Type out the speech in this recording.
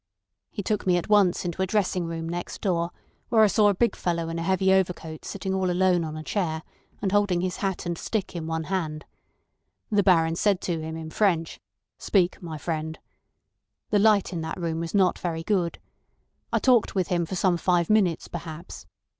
He took me at once into a dressing room next door, where I saw a big fellow in a heavy overcoat sitting all alone on a chair, and holding his hat and stick in one hand. The Baron said to him in French 'Speak, my friend.' The light in that room was not very good. I talked with him for some five minutes perhaps.